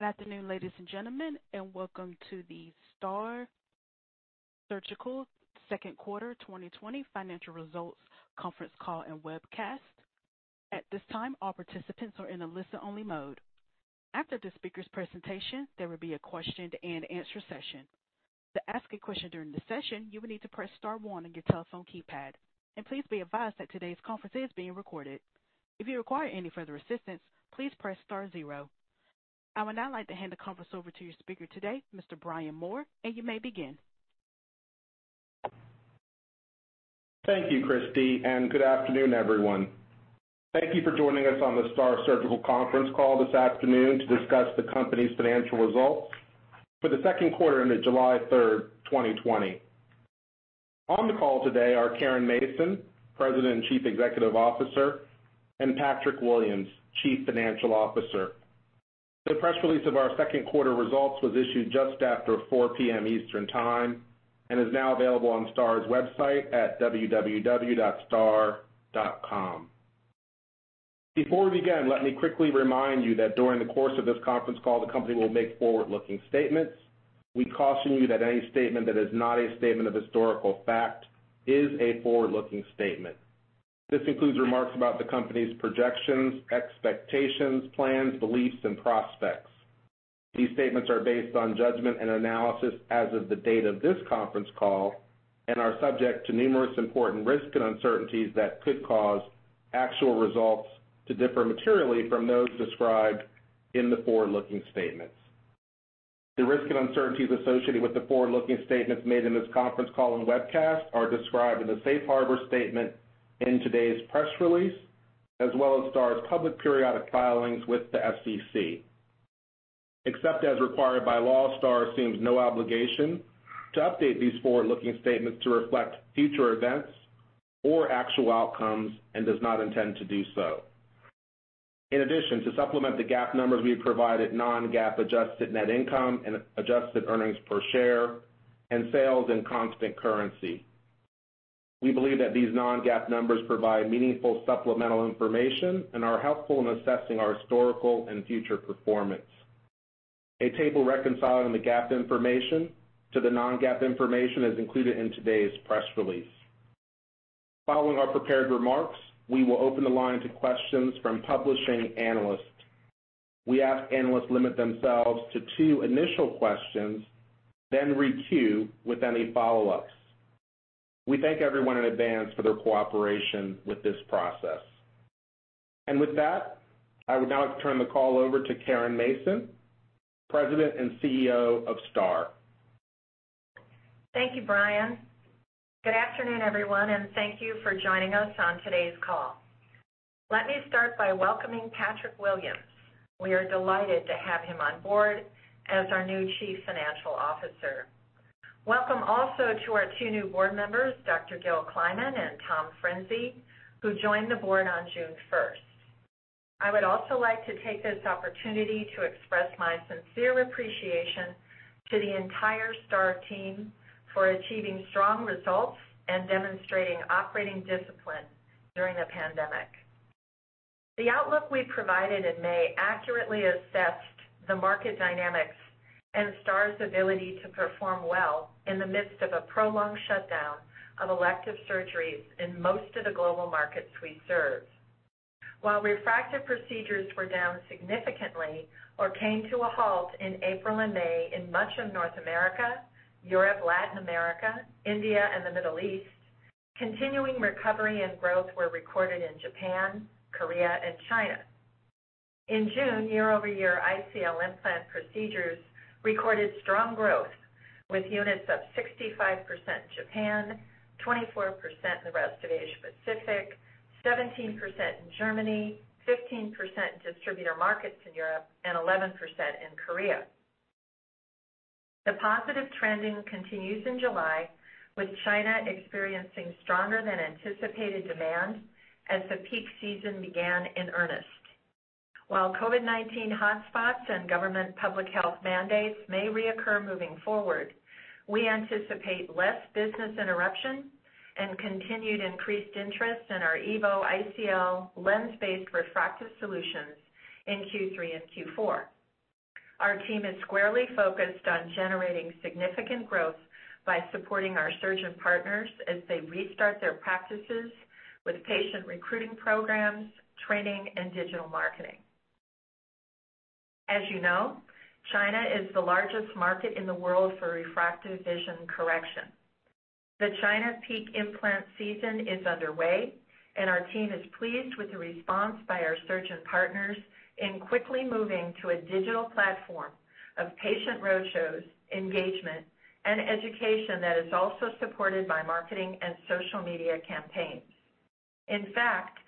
Good afternoon, ladies and gentlemen, and welcome to the STAAR Surgical second quarter 2020 financial results conference call and webcast. At this time, all participants are in a listen only mode. After the speaker's presentation, there will be a question-and answer-session. To ask a question during the session, you will need to press star one on your telephone keypad. Please be advised that today's conference is being recorded. If you require any further assistance, please press star zero. I would now like to hand the conference over to your speaker today, Mr. Brian Moore, and you may begin. Thank you, Christie, and good afternoon, everyone. Thank you for joining us on the STAAR Surgical conference call this afternoon to discuss the company's financial results for the second quarter ended July 3rd, 2020. On the call today are Caren Mason, President and Chief Executive Officer, and Patrick Williams, Chief Financial Officer. The press release of our second quarter results was issued just after 4:00 P.M. Eastern Time and is now available on STAAR's website at www.staar.com. Before we begin, let me quickly remind you that during the course of this conference call, the company will make forward-looking statements. We caution you that any statement that is not a statement of historical fact is a forward-looking statement. This includes remarks about the company's projections, expectations, plans, beliefs, and prospects. These statements are based on judgment and analysis as of the date of this conference call and are subject to numerous important risks and uncertainties that could cause actual results to differ materially from those described in the forward-looking statements. The risks and uncertainties associated with the forward-looking statements made in this conference call and webcast are described in the safe harbor statement in today's press release, as well as STAAR's public periodic filings with the SEC. Except as required by law, STAAR assumes no obligation to update these forward-looking statements to reflect future events or actual outcomes and does not intend to do so. In addition, to supplement the GAAP numbers, we have provided non-GAAP adjusted net income and adjusted earnings per share and sales in constant currency. We believe that these non-GAAP numbers provide meaningful supplemental information and are helpful in assessing our historical and future performance. A table reconciling the GAAP information to the non-GAAP information is included in today's press release. Following our prepared remarks, we will open the line to questions from publishing analysts. We ask analysts limit themselves to two initial questions, then re-queue with any follow-ups. We thank everyone in advance for their cooperation with this process. With that, I would now like to turn the call over to Caren Mason, President and CEO of STAAR. Thank you, Brian. Good afternoon, everyone, thank you for joining us on today's call. Let me start by welcoming Patrick Williams. We are delighted to have him on board as our new Chief Financial Officer. Welcome also to our two new Board members, Dr. Gil Kliman and Tom Frinzi, who joined the Board on June 1st. I would also like to take this opportunity to express my sincere appreciation to the entire STAAR team for achieving strong results and demonstrating operating discipline during a pandemic. The outlook we provided in May accurately assessed the market dynamics and STAAR's ability to perform well in the midst of a prolonged shutdown of elective surgeries in most of the global markets we serve. While refractive procedures were down significantly or came to a halt in April and May in much of North America, Europe, Latin America, India, and the Middle East, continuing recovery and growth were recorded in Japan, Korea, and China. In June, year-over-year ICL implant procedures recorded strong growth with units up 65% in Japan, 24% in the rest of Asia Pacific, 17% in Germany, 15% in distributor markets in Europe, and 11% in Korea. The positive trending continues in July with China experiencing stronger than anticipated demand as the peak season began in earnest. While COVID-19 hotspots and government public health mandates may reoccur moving forward, we anticipate less business interruption and continued increased interest in our EVO ICL lens-based refractive solutions in Q3 and Q4. Our team is squarely focused on generating significant growth by supporting our surgeon partners as they restart their practices with patient recruiting programs, training, and digital marketing. As you know, China is the largest market in the world for refractive vision correction. The China peak implant season is underway, and our team is pleased with the response by our surgeon partners in quickly moving to a digital platform of patient roadshows, engagement, and education that is also supported by marketing and social media campaigns. In fact,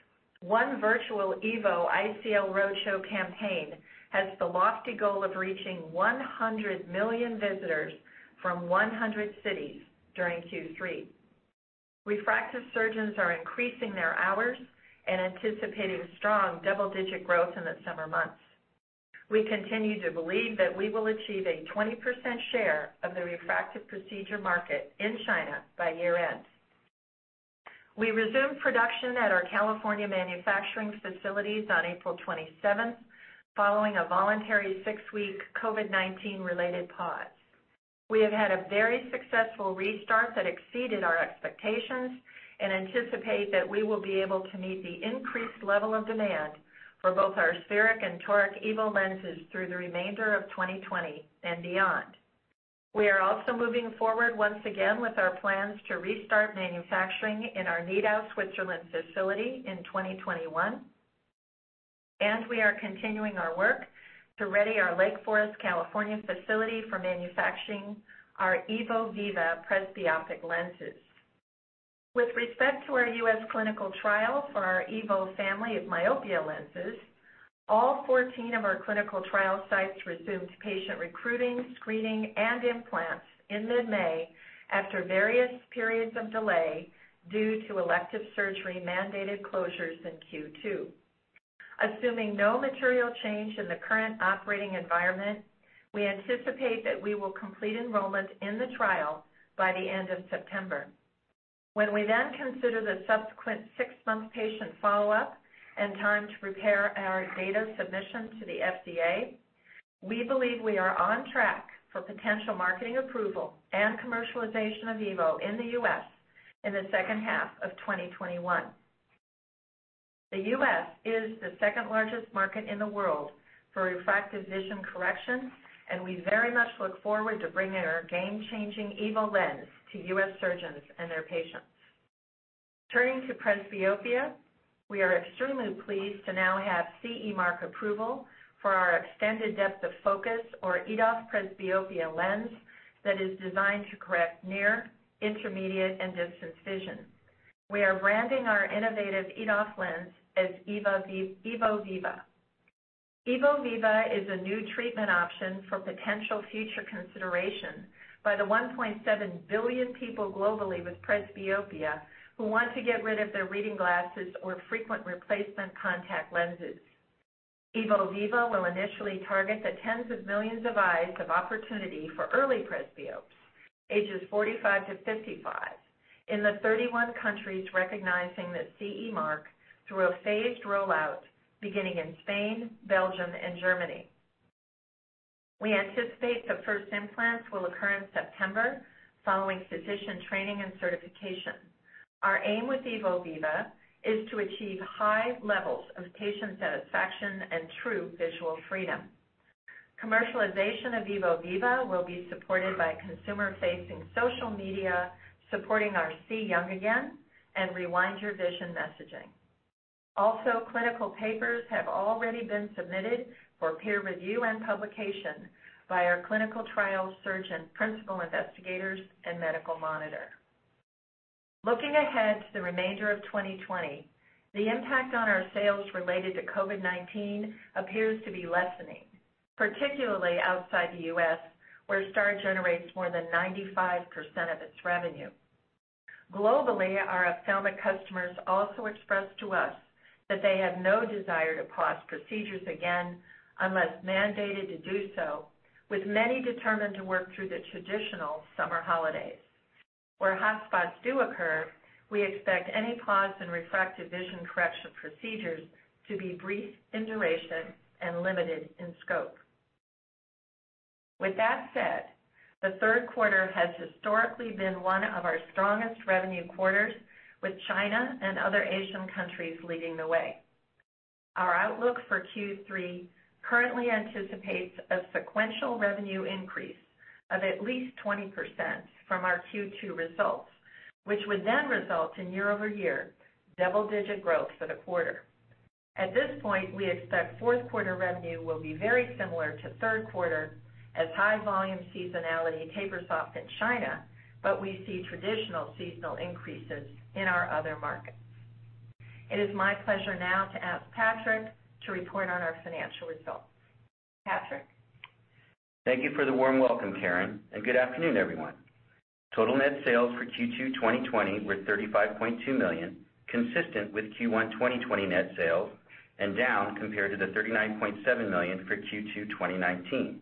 one virtual EVO ICL roadshow campaign has the lofty goal of reaching 100 million visitors from 100 cities during Q3. Refractive surgeons are increasing their hours and anticipating strong double-digit growth in the summer months. We continue to believe that we will achieve a 20% share of the refractive procedure market in China by year-end. We resumed production at our California manufacturing facilities on April 27th, following a voluntary six-week COVID-19 related pause. We have had a very successful restart that exceeded our expectations and anticipate that we will be able to meet the increased level of demand for both our spheric and toric EVO lenses through the remainder of 2020 and beyond. We are also moving forward once again with our plans to restart manufacturing in our Nidau, Switzerland facility in 2021, and we are continuing our work to ready our Lake Forest, California facility for manufacturing our EVO Viva presbyopic lenses. With respect to our U.S. clinical trial for our EVO family of myopia lenses, all 14 of our clinical trial sites resumed patient recruiting, screening, and implants in mid-May after various periods of delay due to elective surgery mandated closures in Q2. Assuming no material change in the current operating environment, we anticipate that we will complete enrollment in the trial by the end of September. We then consider the subsequent six-month patient follow-up and time to prepare our data submission to the FDA, we believe we are on track for potential marketing approval and commercialization of EVO in the U.S. in the second half of 2021. The U.S. is the second-largest market in the world for refractive vision correction. We very much look forward to bringing our game-changing EVO lens to U.S. surgeons and their patients. Turning to presbyopia, we are extremely pleased to now have CE mark approval for our extended depth of focus, or EDOF presbyopia lens that is designed to correct near, intermediate, and distance vision. We are branding our innovative EDOF lens as EVO Viva. EVO Viva is a new treatment option for potential future consideration by the 1.7 billion people globally with presbyopia who want to get rid of their reading glasses or frequent replacement contact lenses. EVO Viva will initially target the tens of millions of eyes of opportunity for early presbyopes, ages 45-55, in the 31 countries recognizing the CE mark through a phased rollout beginning in Spain, Belgium, and Germany. We anticipate the first implants will occur in September following physician training and certification. Our aim with EVO Viva is to achieve high levels of patient satisfaction and true visual freedom. Commercialization of EVO Viva will be supported by consumer-facing social media, supporting our See Young Again! and Rewind Your Vision messaging. Also, clinical papers have already been submitted for peer review and publication by our clinical trial surgeon principal investigators and medical monitor. Looking ahead to the remainder of 2020, the impact on our sales related to COVID-19 appears to be lessening, particularly outside the U.S., where STAAR generates more than 95% of its revenue. Globally, our ophthalmic customers also expressed to us that they have no desire to pause procedures again unless mandated to do so, with many determined to work through the traditional summer holidays. Where hotspots do occur, we expect any pause in refractive vision correction procedures to be brief in duration and limited in scope. With that said, the third quarter has historically been one of our strongest revenue quarters, with China and other Asian countries leading the way. Our outlook for Q3 currently anticipates a sequential revenue increase of at least 20% from our Q2 results, which would then result in year-over-year double-digit growth for the quarter. At this point, we expect fourth quarter revenue will be very similar to third quarter as high volume seasonality tapers off in China, but we see traditional seasonal increases in our other markets. It is my pleasure now to ask Patrick to report on our financial results. Patrick? Thank you for the warm welcome, Caren, and good afternoon, everyone. Total net sales for Q2 2020 were $35.2 million, consistent with Q1 2020 net sales and down compared to the $39.7 million for Q2 2019.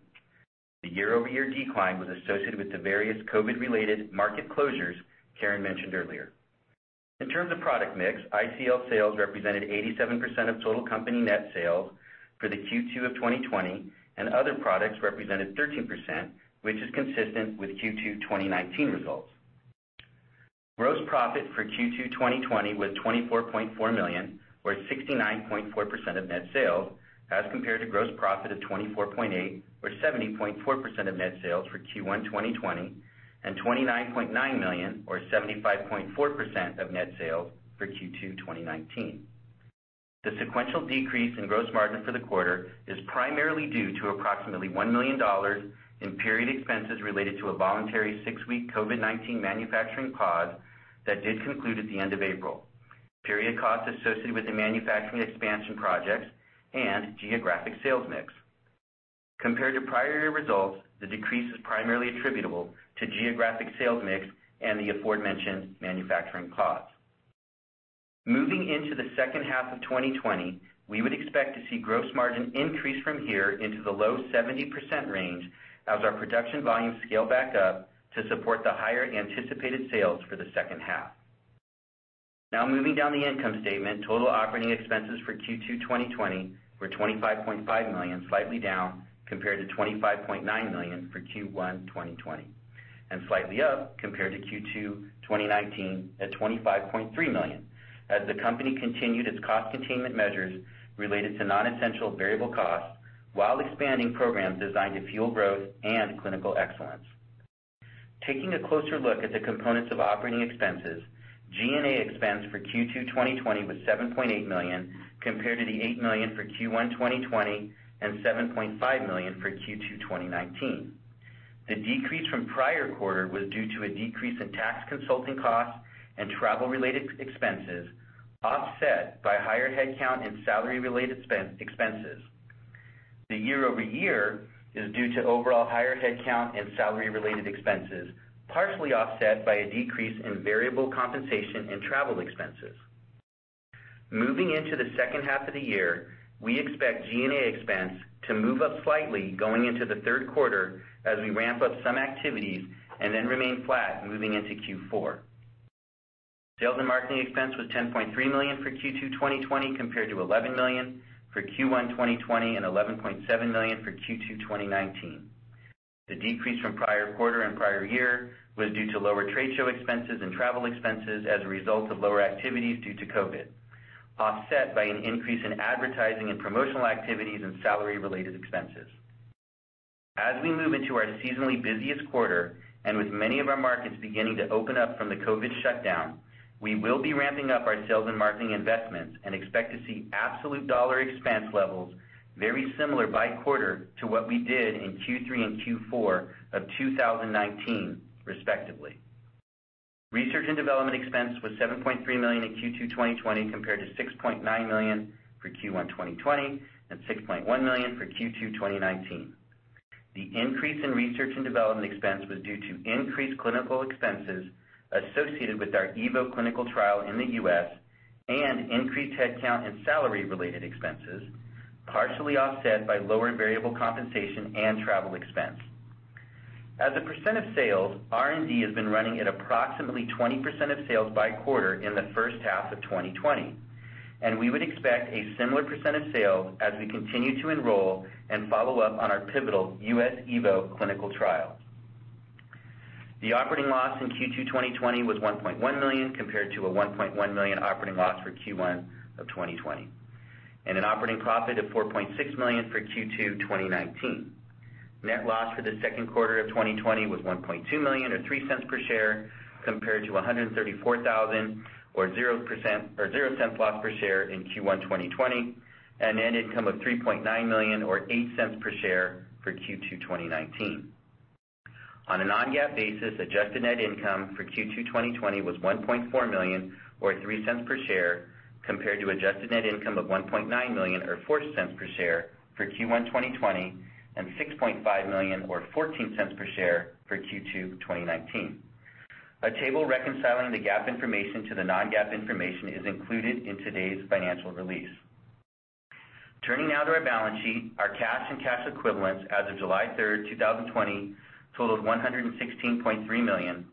The year-over-year decline was associated with the various COVID-related market closures Caren mentioned earlier. In terms of product mix, ICL sales represented 87% of total company net sales for the Q2 of 2020, and other products represented 13%, which is consistent with Q2 2019 results. Gross profit for Q2 2020 was $24.4 million, or 69.4% of net sales, as compared to gross profit of $24.8 million or 70.4% of net sales for Q1 2020 and $29.9 million or 75.4% of net sales for Q2 2019. The sequential decrease in gross margin for the quarter is primarily due to approximately $1 million in period expenses related to a voluntary six-week COVID-19 manufacturing pause that did conclude at the end of April. Period costs associated with the manufacturing expansion projects and geographic sales mix. Compared to prior year results, the decrease is primarily attributable to geographic sales mix and the aforementioned manufacturing costs. Moving into the second half of 2020, we would expect to see gross margin increase from here into the low 70% range as our production volumes scale back up to support the higher anticipated sales for the second half. Now moving down the income statement, total operating expenses for Q2 2020 were $25.5 million, slightly down compared to $25.9 million for Q1 2020, and slightly up compared to Q2 2019 at $25.3 million as the company continued its cost containment measures related to non-essential variable costs while expanding programs designed to fuel growth and clinical excellence. Taking a closer look at the components of operating expenses, G&A expense for Q2 2020 was $7.8 million, compared to the $8 million for Q1 2020 and $7.5 million for Q2 2019. The decrease from prior quarter was due to a decrease in tax consulting costs and travel-related expenses, offset by higher headcount and salary related expenses. The year-over-year is due to overall higher headcount and salary related expenses, partially offset by a decrease in variable compensation and travel expenses. Moving into the second half of the year, we expect G&A expense to move up slightly going into the third quarter as we ramp up some activities and then remain flat moving into Q4. Sales and marketing expense was $10.3 million for Q2 2020 compared to $11 million for Q1 2020 and $11.7 million for Q2 2019. The decrease from prior quarter and prior year was due to lower trade show expenses and travel expenses as a result of lower activities due to COVID, offset by an increase in advertising and promotional activities and salary related expenses. As we move into our seasonally busiest quarter, and with many of our markets beginning to open up from the COVID-19 shutdown, we will be ramping up our sales and marketing investments and expect to see absolute dollar expense levels very similar by quarter to what we did in Q3 and Q4 of 2019, respectively. Research and development expense was $7.3 million in Q2 2020 compared to $6.9 million for Q1 2020 and $6.1 million for Q2 2019. The increase in research and development expense was due to increased clinical expenses associated with our EVO clinical trial in the U.S. and increased headcount and salary related expenses, partially offset by lower variable compensation and travel expense. As a percent of sales, R&D has been running at approximately 20% of sales by quarter in the first half of 2020, and we would expect a similar percent of sales as we continue to enroll and follow up on our pivotal U.S. EVO clinical trial. The operating loss in Q2 2020 was $1.1 million compared to a $1.1 million operating loss for Q1 of 2020, and an operating profit of $4.6 million for Q2 2019. Net loss for the second quarter of 2020 was $1.2 million, or $0.03 per share, compared to $134,000 or $0.00 loss per share in Q1 2020 and net income of $3.9 million or $0.08 per share for Q2 2019. On a non-GAAP basis, adjusted net income for Q2 2020 was $1.4 million or $0.03 per share, compared to adjusted net income of $1.9 million or $0.04 per share for Q1 2020 and $6.5 million or $0.14 per share for Q2 2019. A table reconciling the GAAP information to the non-GAAP information is included in today's financial release. Turning now to our balance sheet, our cash and cash equivalents as of July 3rd, 2020 totaled $116.3 million,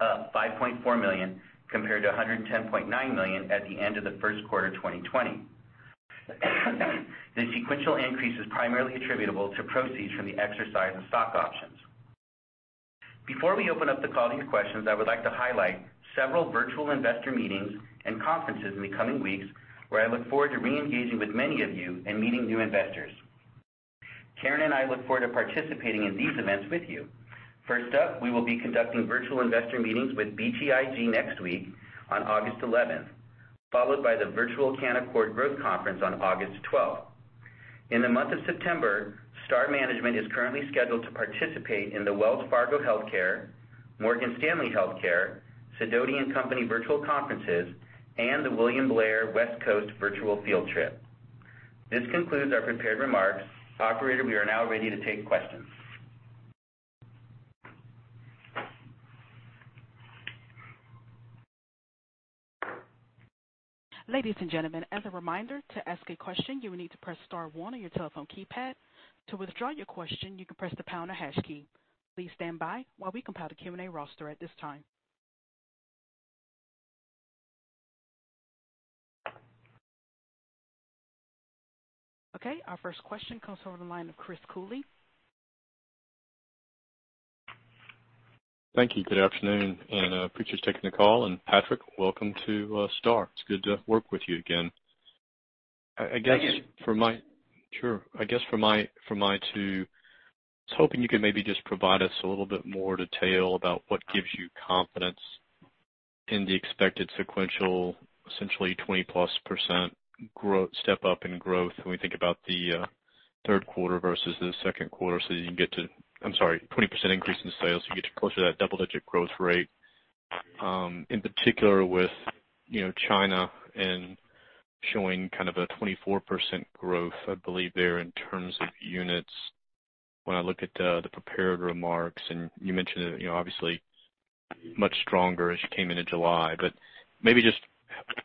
up $5.4 million compared to $110.9 million at the end of the first quarter 2020. The sequential increase is primarily attributable to proceeds from the exercise of stock options. Before we open up the call to your questions, I would like to highlight several virtual investor meetings and conferences in the coming weeks where I look forward to re-engaging with many of you and meeting new investors. Caren and I look forward to participating in these events with you. First up, we will be conducting virtual investor meetings with BTIG next week on August 11th, followed by the Virtual Canaccord Growth Conference on August 12th. In the month of September, STAAR management is currently scheduled to participate in the Wells Fargo Healthcare, Morgan Stanley Healthcare, Sidoti & Company virtual conferences, and the William Blair West Coast Virtual Field Trip. This concludes our prepared remarks. Operator, we are now ready to take questions. Ladies and gentlemen, as a reminder, to ask a question, you will need to press star one on your telephone keypad. To withdraw your question, you can press the pound or hash key. Please stand by while we compile the Q&A roster at this time. Okay, our first question comes from the line of Chris Cooley. Thank you. Good afternoon, and appreciate you taking the call. Patrick, welcome to STAAR. It's good to work with you again. Thank you. Sure. I guess from my two, I was hoping you could maybe just provide us a little bit more detail about what gives you confidence in the expected sequential, essentially 20%+ step-up in growth when we think about the third quarter versus the second quarter so you can get to I'm sorry, 20% increase in sales, you get closer to that double-digit growth rate. In particular with China and showing kind of a 24% growth, I believe there in terms of units. When I look at the prepared remarks, you mentioned it, obviously much stronger as you came into July, maybe just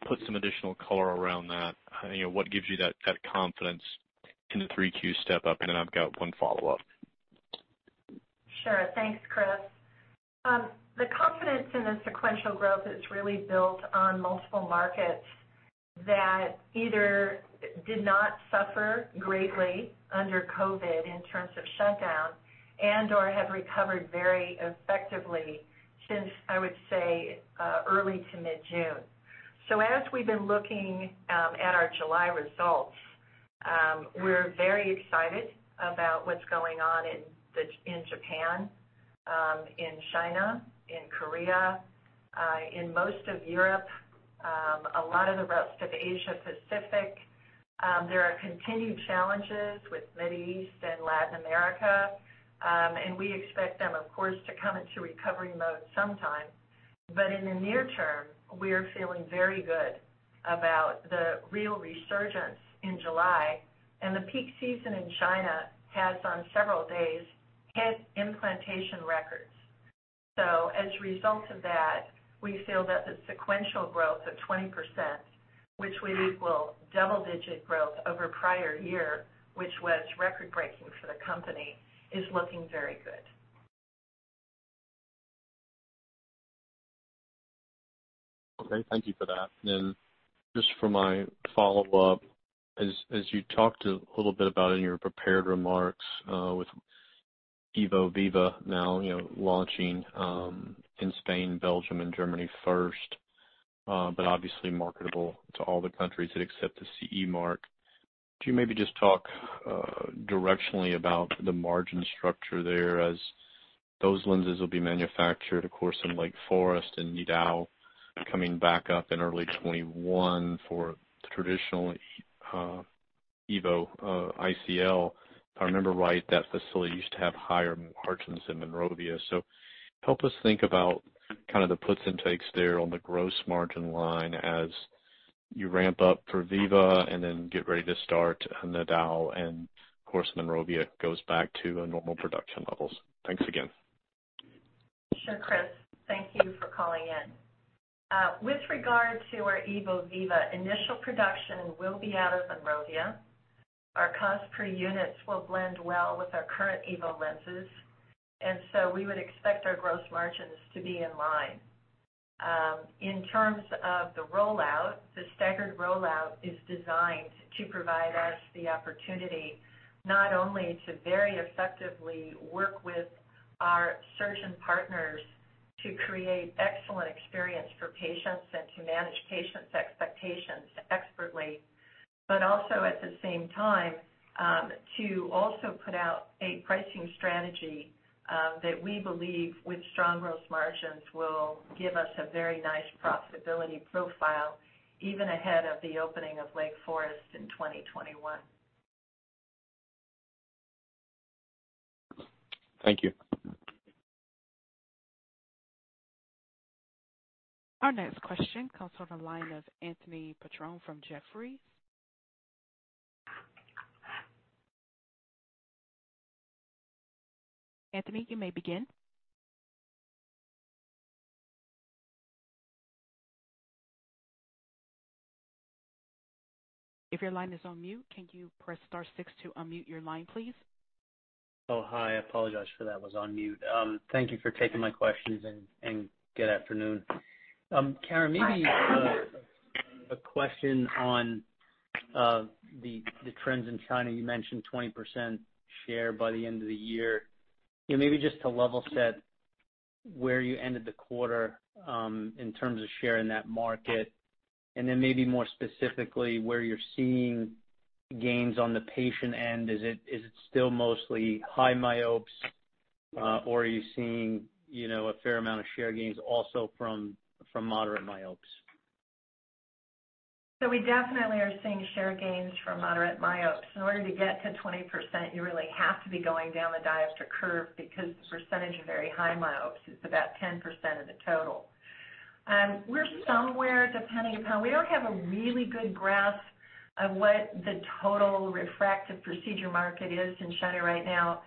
put some additional color around that. What gives you that confidence in the 3Q step up? I've got one follow-up. Sure. Thanks, Chris. The confidence in the sequential growth is really built on multiple markets that either did not suffer greatly under COVID in terms of shutdown and/or have recovered very effectively since, I would say, early to mid-June. As we've been looking at our July results, we're very excited about what's going on in Japan, in China, in Korea, in most of Europe, a lot of the rest of Asia Pacific. There are continued challenges with Middle East and Latin America. We expect them, of course, to come into recovery mode sometime. In the near term, we are feeling very good about the real resurgence in July, and the peak season in China has, on several days, hit implantation records. As a result of that, we feel that the sequential growth of 20%, which we equal double-digit growth over prior year, which was record-breaking for the company, is looking very good. Okay. Thank you for that. Just for my follow-up, as you talked a little bit about in your prepared remarks, with EVO Viva now launching in Spain, Belgium, and Germany first, but obviously marketable to all the countries that accept the CE mark. Could you maybe just talk directionally about the margin structure there as those lenses will be manufactured, of course, in Lake Forest and Nidau coming back up in early 2021 for traditional EVO ICL. If I remember right, that facility used to have higher margins than Monrovia. Help us think about the puts and takes there on the gross margin line as you ramp up for Viva and then get ready to start Nidau, and of course, Monrovia goes back to normal production levels. Thanks again. Sure, Chris. Thank you for calling in. With regard to our EVO Viva, initial production will be out of Monrovia. Our cost per units will blend well with our current EVO lenses. We would expect our gross margins to be in line. In terms of the rollout, the staggered rollout is designed to provide us the opportunity not only to very effectively work with our surgeon partners to create excellent experience for patients and to manage patients' expectations expertly. Also, at the same time, to also put out a pricing strategy that we believe with strong gross margins will give us a very nice profitability profile even ahead of the opening of Lake Forest in 2021. Thank you. Our next question comes from the line of Anthony Petrone from Jefferies. Anthony, you may begin. If your line is on mute, can you press star six to unmute your line, please? Oh, hi. I apologize for that, was on mute. Thank you for taking my questions and good afternoon. Caren, maybe a question on the trends in China. You mentioned 20% share by the end of the year. Maybe just to level set where you ended the quarter in terms of share in that market, and then maybe more specifically, where you're seeing gains on the patient end. Is it still mostly high myopes, or are you seeing a fair amount of share gains also from moderate myopes? We definitely are seeing share gains from moderate myopes. In order to get to 20%, you really have to be going down the diopter curve because the percentage of very high myopes is about 10% of the total. We're somewhere. We don't have a really good grasp of what the total refractive procedure market is in China right now,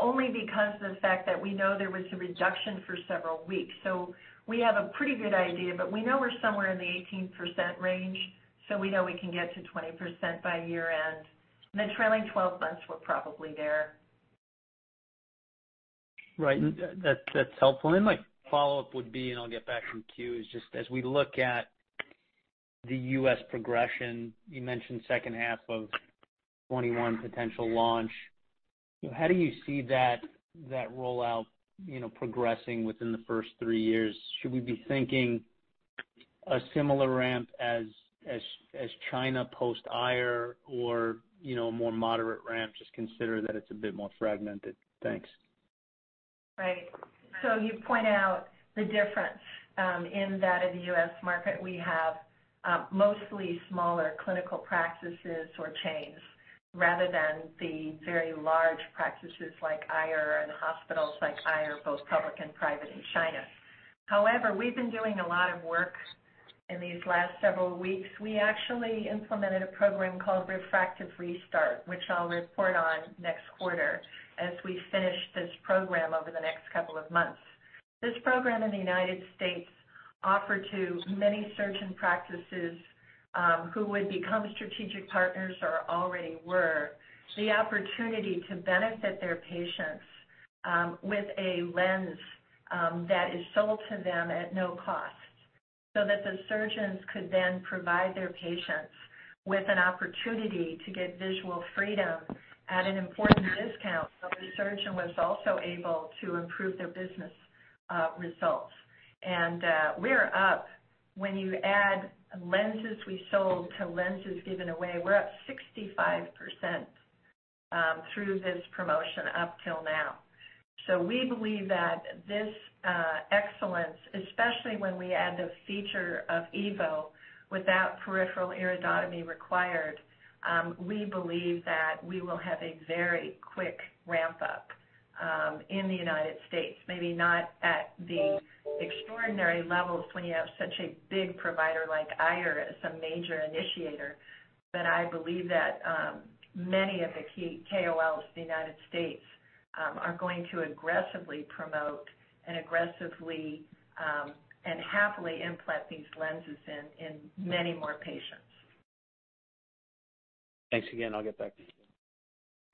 only because of the fact that we know there was a reduction for several weeks. We have a pretty good idea, but we know we're somewhere in the 18% range, so we know we can get to 20% by year-end. In the trailing 12 months, we're probably there. Right. That's helpful. My follow-up would be, and I'll get back in queue, is just as we look at the U.S. progression, you mentioned second half of 2021 potential launch. How do you see that rollout progressing within the first three years? Should we be thinking a similar ramp as China post-Aier or more moderate ramp, just considering that it's a bit more fragmented? Thanks. Right. You point out the difference in that in the U.S. market we have mostly smaller clinical practices or chains rather than the very large practices like Aier and hospitals like Aier, both public and private in China. We've been doing a lot of work. In these last several weeks, we actually implemented a program called Refractive Restart, which I'll report on next quarter as we finish this program over the next couple of months. This program in the U.S. offered to many surgeon practices, who would become strategic partners or already were, the opportunity to benefit their patients with a lens that is sold to them at no cost, the surgeons could then provide their patients with an opportunity to get visual freedom at an important discount. The surgeon was also able to improve their business results. We're up, when you add lenses we sold to lenses given away, we're up 65% through this promotion up till now. We believe that this excellence, especially when we add the feature of EVO without peripheral iridotomy required, we believe that we will have a very quick ramp-up in the U.S., maybe not at the extraordinary levels when you have such a big provider like Aier as a major initiator. I believe that many of the key KOLs in the U.S. are going to aggressively promote and aggressively and happily implant these lenses in many more patients. Thanks again. I'll get back to you.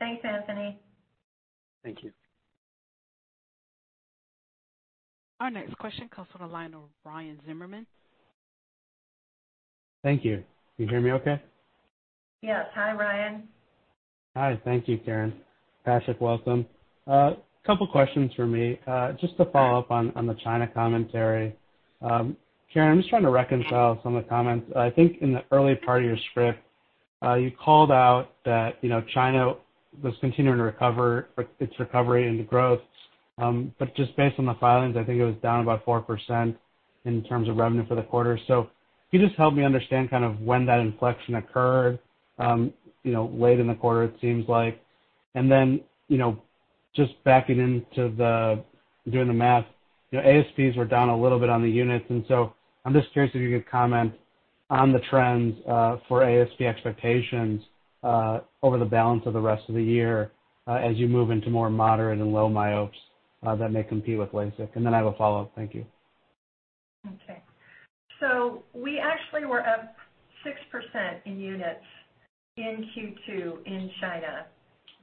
Thanks, Anthony. Thank you. Our next question comes from the line of Ryan Zimmerman. Thank you. Can you hear me okay? Yes. Hi, Ryan. Hi. Thank you, Caren. Patrick, welcome. Couple questions from me. Just to follow up on the China commentary. Caren, I'm just trying to reconcile some of the comments. I think in the early part of your script, you called out that China was continuing to recover, its recovery into growth. Just based on the filings, I think it was down about 4% in terms of revenue for the quarter. If you could just help me understand kind of when that inflection occurred, late in the quarter, it seems like. Just backing into doing the math, ASPs were down a little bit on the units, I'm just curious if you could comment on the trends for ASP expectations over the balance of the rest of the year as you move into more moderate and low myopes that may compete with LASIK. I have a follow-up. Thank you. We actually were up 6% in units in Q2 in China,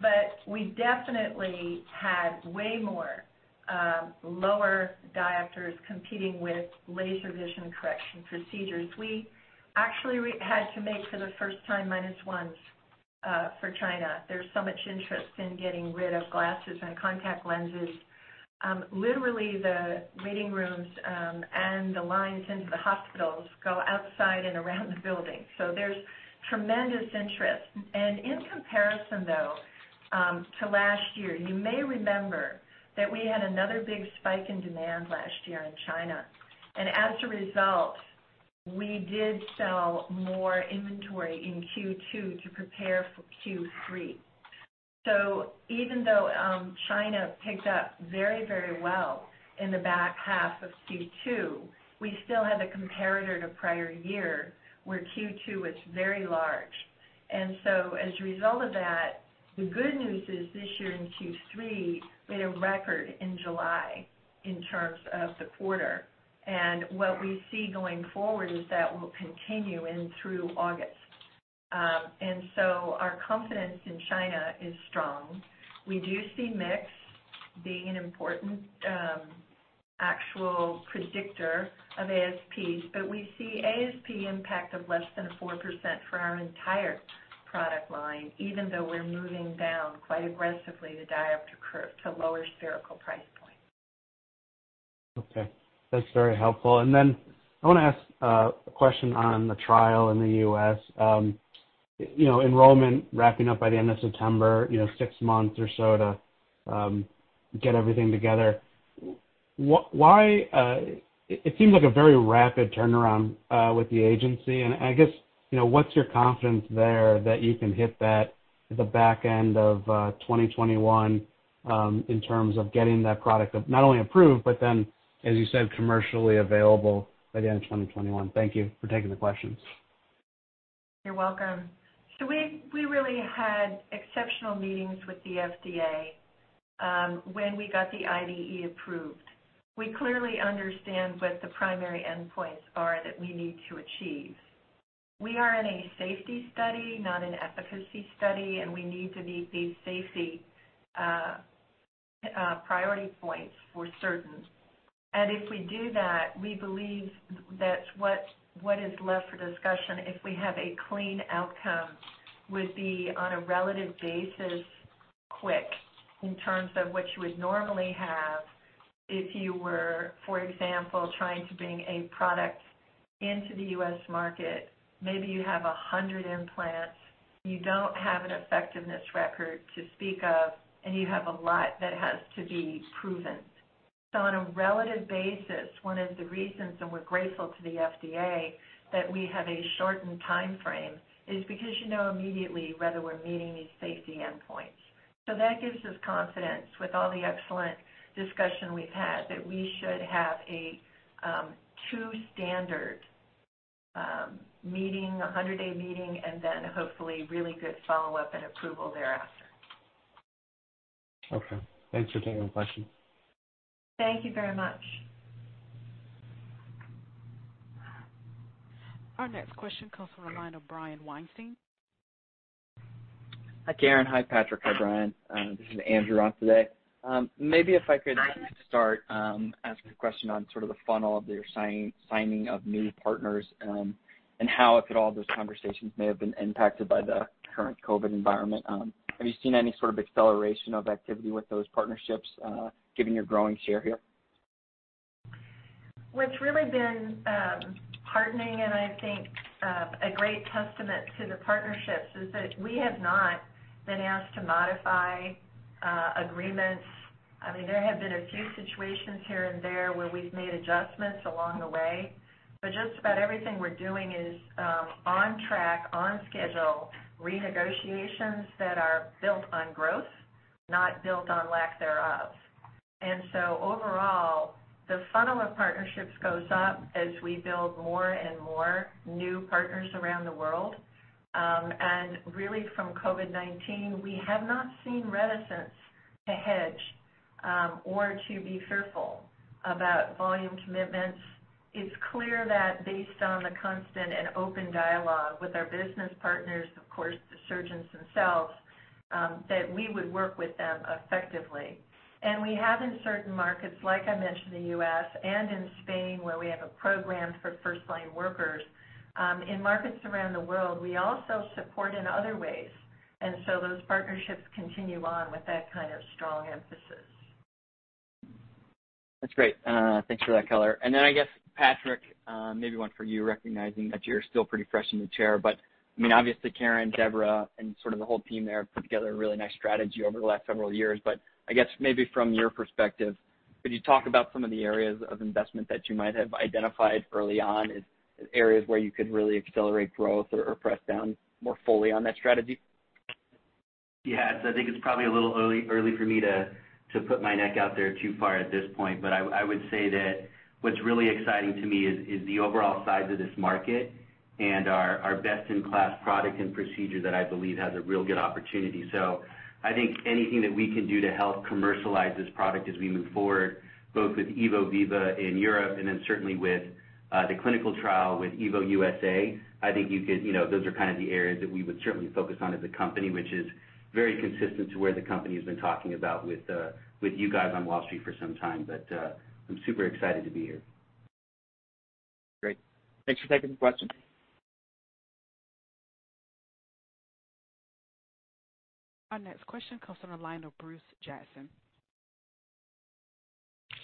but we definitely had way more lower diopters competing with laser vision correction procedures. We actually had to make, for the first time, minus ones for China. There's so much interest in getting rid of glasses and contact lenses. Literally, the waiting rooms and the lines into the hospitals go outside and around the building. There's tremendous interest. In comparison, though, to last year, you may remember that we had another big spike in demand last year in China. As a result, we did sell more inventory in Q2 to prepare for Q3. Even though China picked up very well in the back half of Q2, we still had a comparator to prior year where Q2 was very large. As a result of that, the good news is this year in Q3, we had a record in July in terms of the quarter. What we see going forward is that will continue in through August. Our confidence in China is strong. We do see mix being an important actual predictor of ASPs, but we see ASP impact of less than 4% for our entire product line, even though we're moving down quite aggressively the diopter curve to lower spherical price points. Okay. That's very helpful. Then I want to ask a question on the trial in the U.S. Enrollment wrapping up by the end of September, six months or so to get everything together. It seemed like a very rapid turnaround with the agency, I guess, what's your confidence there that you can hit that at the back end of 2021 in terms of getting that product not only approved, but then, as you said, commercially available by the end of 2021? Thank you for taking the questions. You're welcome. We really had exceptional meetings with the FDA when we got the IDE approved. We clearly understand what the primary endpoints are that we need to achieve. We are in a safety study, not an efficacy study, and we need to meet these safety priority points for surgeons. If we do that, we believe that what is left for discussion, if we have a clean outcome, would be on a relative basis quick in terms of what you would normally have if you were, for example, trying to bring a product into the U.S. market. Maybe you have 100 implants, you don't have an effectiveness record to speak of, and you have a lot that has to be proven. On a relative basis, one of the reasons, and we're grateful to the FDA that we have a shortened timeframe, is because you know immediately whether we're meeting these safety endpoints. That gives us confidence with all the excellent discussion we've had that we should have a true standard meeting, a 100-day meeting, and then hopefully really good follow-up and approval thereafter. Okay. Thanks for taking the question. Thank you very much. Our next question comes from the line of Brian Weinstein. Hi, Caren. Hi, Patrick. Hi, Brian. This is Andrew on today. Maybe if I could start asking a question on sort of the funnel of your signing of new partners, and how, if at all, those conversations may have been impacted by the current COVID environment. Have you seen any sort of acceleration of activity with those partnerships, given your growing share here? What's really been heartening, and I think a great testament to the partnerships, is that we have not been asked to modify agreements. There have been a few situations here and there where we've made adjustments along the way, but just about everything we're doing is on track, on schedule, renegotiations that are built on growth, not built on lack thereof. Overall, the funnel of partnerships goes up as we build more and more new partners around the world. Really from COVID-19, we have not seen reticence to hedge, or to be fearful about volume commitments. It's clear that based on the constant and open dialogue with our business partners, of course, the surgeons themselves, that we would work with them effectively. We have in certain markets, like I mentioned, the U.S. and in Spain, where we have a program for first-line workers. In markets around the world, we also support in other ways, and so those partnerships continue on with that kind of strong emphasis. That's great. Thanks for that color. I guess, Patrick, maybe one for you, recognizing that you're still pretty fresh in the chair, but obviously Caren, Deborah, and sort of the whole team there have put together a really nice strategy over the last several years. I guess maybe from your perspective, could you talk about some of the areas of investment that you might have identified early on as areas where you could really accelerate growth or press down more fully on that strategy? I think it's probably a little early for me to put my neck out there too far at this point. I would say that what's really exciting to me is the overall size of this market and our best-in-class product and procedure that I believe has a real good opportunity. I think anything that we can do to help commercialize this product as we move forward, both with EVO Viva in Europe and then certainly with the clinical trial with EVO USA, I think those are kind of the areas that we would certainly focus on as a company, which is very consistent to where the company has been talking about with you guys on Wall Street for some time. I'm super excited to be here. Great. Thanks for taking the question. Our next question comes from the line of Bruce Jackson.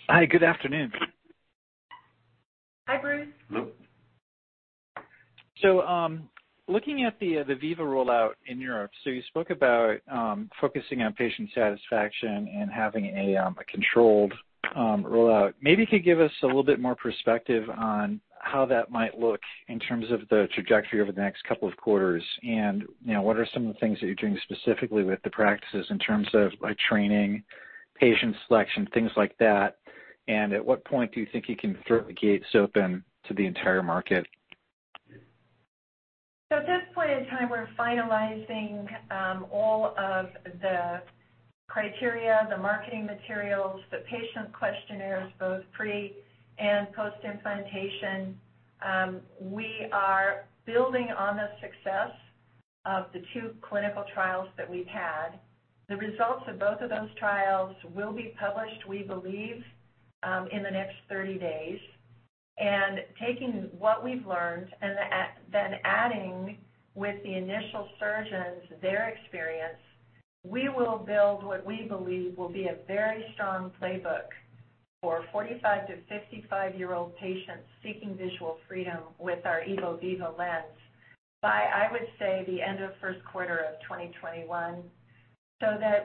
Hi, good afternoon. Hi, Bruce. Hello. Looking at the Viva rollout in Europe, so you spoke about focusing on patient satisfaction and having a controlled rollout. Maybe you could give us a little bit more perspective on how that might look in terms of the trajectory over the next couple of quarters, and what are some of the things that you're doing specifically with the practices in terms of training, patient selection, things like that, and at what point do you think you can throw the gates open to the entire market? At this point in time, we're finalizing all of the criteria, the marketing materials, the patient questionnaires, both pre and post-implantation. We are building on the success of the two clinical trials that we've had. The results of both of those trials will be published, we believe, in the next 30 days. Taking what we've learned and then adding with the initial surgeons, their experience, we will build what we believe will be a very strong playbook for 45 to 55-year-old patients seeking visual freedom with our EVO Viva lens by, I would say, the end of first quarter of 2021,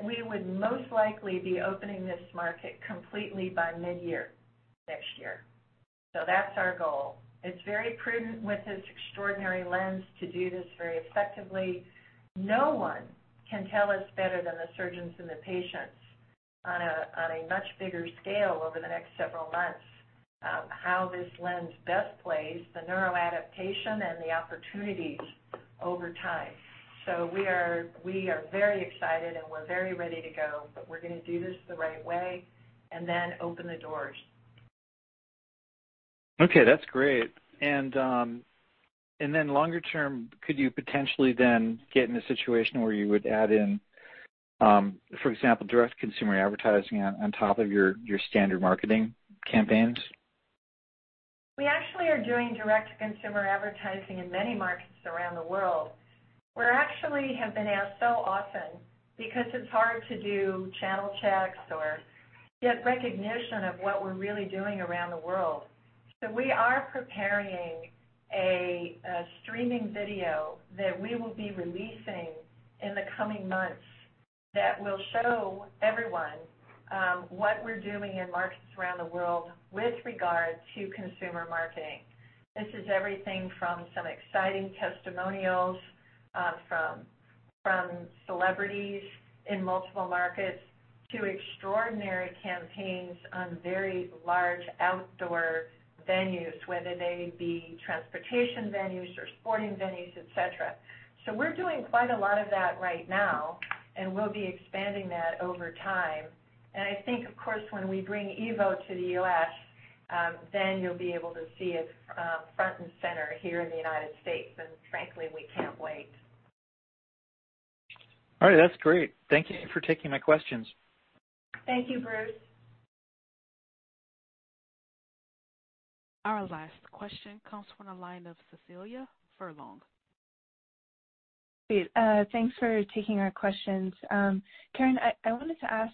we would most likely be opening this market completely by mid-year next year. That's our goal. It's very prudent with this extraordinary lens to do this very effectively. No one can tell us better than the surgeons and the patients on a much bigger scale over the next several months how this lens best plays the neuroadaptation and the opportunities over time. We are very excited, and we're very ready to go, but we're going to do this the right way and then open the doors. Okay, that's great. Longer term, could you potentially then get in a situation where you would add in, for example, direct consumer advertising on top of your standard marketing campaigns? We actually are doing direct consumer advertising in many markets around the world. We actually have been asked so often because it's hard to do channel checks or get recognition of what we're really doing around the world. We are preparing a streaming video that we will be releasing in the coming months that will show everyone what we're doing in markets around the world with regard to consumer marketing. This is everything from some exciting testimonials from celebrities in multiple markets to extraordinary campaigns on very large outdoor venues, whether they be transportation venues or sporting venues, et cetera. We're doing quite a lot of that right now, and we'll be expanding that over time. I think, of course, when we bring EVO to the U.S., then you'll be able to see it front and center here in the United States, and frankly, we can't wait. All right. That's great. Thank you for taking my questions. Thank you, Bruce. Our last question comes from the line of Cecilia Furlong. Great. Thanks for taking our questions. Caren, I wanted to ask,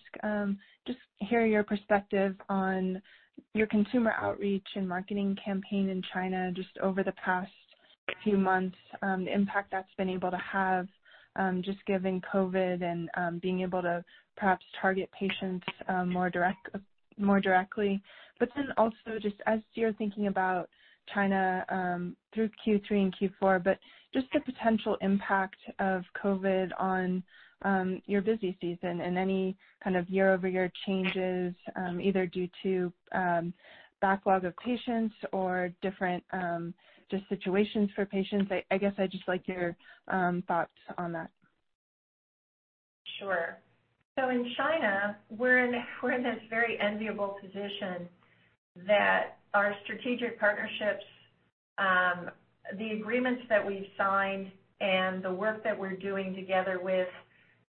just hear your perspective on your consumer outreach and marketing campaign in China just over the past few months, the impact that's been able to have, just given COVID and being able to perhaps target patients more directly. Also, just as you're thinking about China through Q3 and Q4, but just the potential impact of COVID on your busy season and any kind of year-over-year changes, either due to backlog of patients or different just situations for patients. I guess I'd just like your thoughts on that. Sure. In China, we're in this very enviable position that our strategic partnerships, the agreements that we've signed, and the work that we're doing together with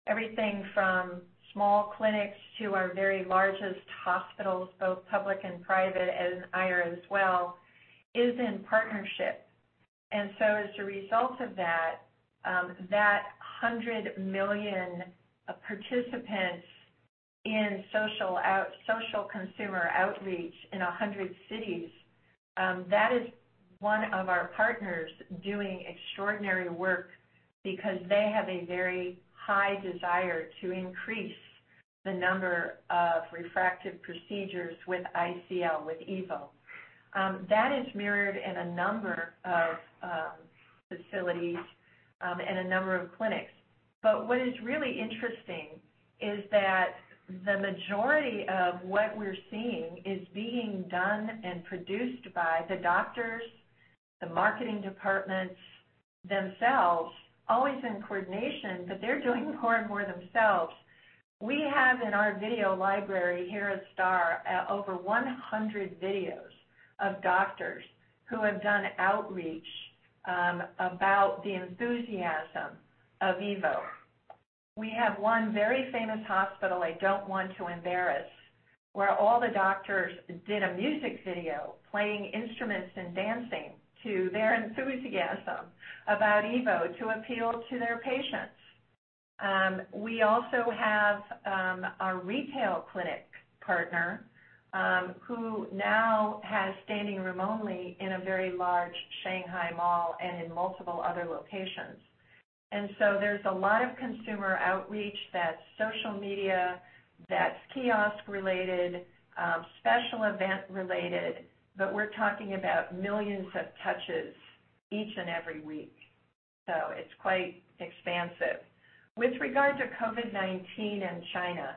everything from small clinics to our very largest hospitals, both public and private, and Aier as well, is in partnership. As a result of that 100 million participants in social consumer outreach in 100 cities, that is one of our partners doing extraordinary work because they have a very high desire to increase the number of refractive procedures with ICL, with EVO. That is mirrored in a number of facilities and a number of clinics. What is really interesting is that the majority of what we're seeing is being done and produced by the doctors, the marketing departments themselves, always in coordination, but they're doing more and more themselves. We have in our video library here at STAAR over 100 videos of doctors who have done outreach about the enthusiasm of EVO. We have one very famous hospital I don't want to embarrass, where all the doctors did a music video playing instruments and dancing to their enthusiasm about EVO to appeal to their patients. We also have our retail clinic partner, who now has standing room only in a very large Shanghai mall and in multiple other locations. There's a lot of consumer outreach that's social media, that's kiosk-related, special event-related, but we're talking about millions of touches each and every week, so it's quite expansive. With regard to COVID-19 in China,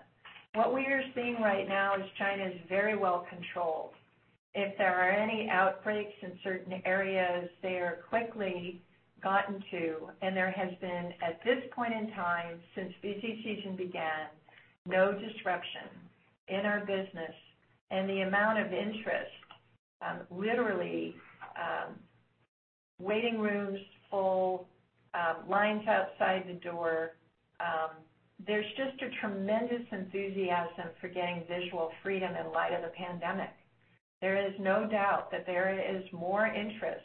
what we are seeing right now is China is very well controlled. If there are any outbreaks in certain areas, they are quickly gotten to, and there has been, at this point in time since busy season began, no disruption in our business. There is the amount of interest, literally, waiting rooms full, lines outside the door. There's just a tremendous enthusiasm for getting visual freedom in light of the pandemic. There is no doubt that there is more interest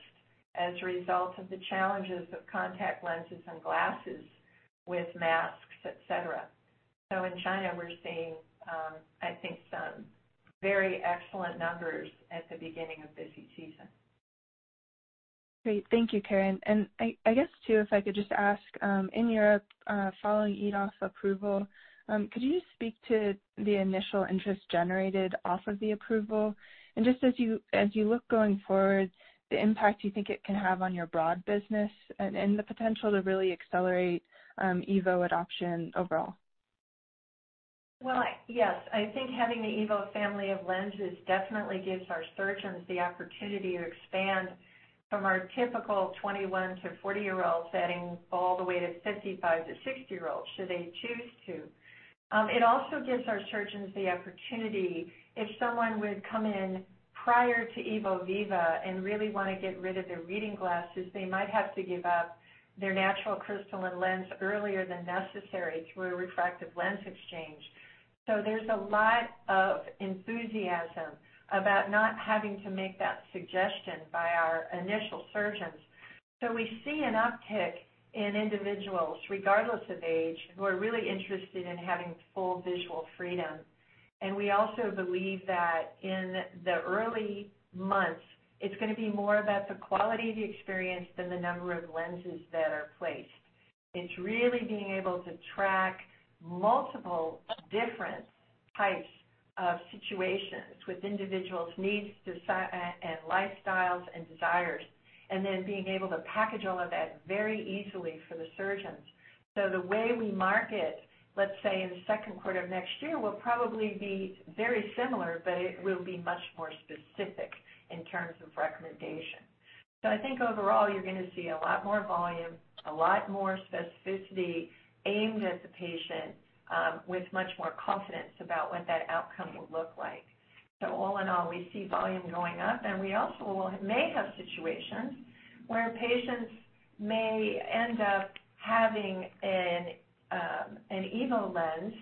as a result of the challenges of contact lenses and glasses with masks, et cetera. In China, we're seeing, I think, some very excellent numbers at the beginning of busy season. Great. Thank you, Caren. I guess too, if I could just ask, in Europe, following EVO's approval, could you speak to the initial interest generated off of the approval? Just as you look going forward, the impact you think it can have on your broad business and the potential to really accelerate EVO adoption overall. Yes. I think having the EVO family of lenses definitely gives our surgeons the opportunity to expand from our typical 21-40 year olds setting all the way to 55-60 year olds, should they choose to. It also gives our surgeons the opportunity if someone would come in prior to EVO Viva and really want to get rid of their reading glasses, they might have to give up their natural crystalline lens earlier than necessary through a refractive lens exchange. There's a lot of enthusiasm about not having to make that suggestion by our initial surgeons. We see an uptick in individuals, regardless of age, who are really interested in having full visual freedom. We also believe that in the early months, it's going to be more about the quality of the experience than the number of lenses that are placed. It's really being able to track multiple different types of situations with individuals' needs, and lifestyles, and desires, and then being able to package all of that very easily for the surgeons. The way we market, let's say in the second quarter of next year, will probably be very similar, but it will be much more specific in terms of recommendation. I think overall, you're going to see a lot more volume, a lot more specificity aimed at the patient, with much more confidence about what that outcome will look like. All in all, we see volume going up, and we also may have situations where patients may end up having an EVO lens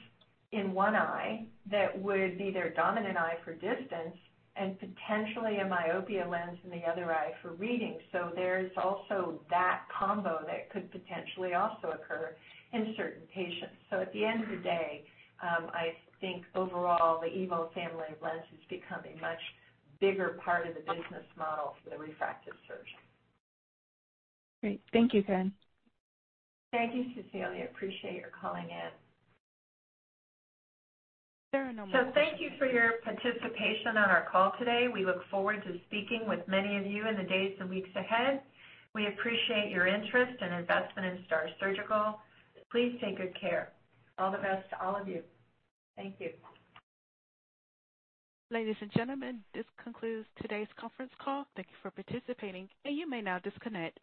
in one eye that would be their dominant eye for distance, and potentially a myopia lens in the other eye for reading. There's also that combo that could potentially also occur in certain patients. At the end of the day, I think overall, the EVO family of lenses become a much bigger part of the business model for the refractive surgeon. Great. Thank you, Caren. Thank you, Cecilia. Appreciate your calling in. There are no more questions. Thank you for your participation on our call today. We look forward to speaking with many of you in the days and weeks ahead. We appreciate your interest and investment in STAAR Surgical. Please take good care. All the best to all of you. Thank you. Ladies and gentlemen, this concludes today's conference call. Thank you for participating, and you may now disconnect.